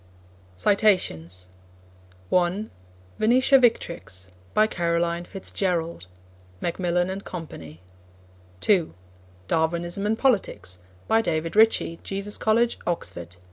(1) Venetia Victrix. By Caroline Fitz Gerald. (Macmillan and Co.) (2) Darwinism and Politics. By David Ritchie, Jesus College, Oxford.